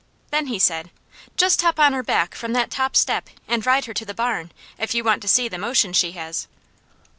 Then he said: "Just hop on her back from that top step and ride her to the barn, if you want to see the motion she has."